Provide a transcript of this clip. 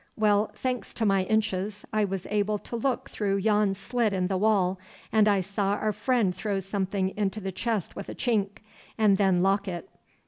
Well, thanks to my inches, I was able to look through yon slit in the wall, and I saw our friend throw something into the chest with a chink, and then lock it.